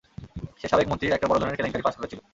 সে সাবেক মন্ত্রীর একটা বড় ধরনের কেলেঙ্কারি ফাঁস করেছিল।